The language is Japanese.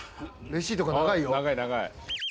長い長い。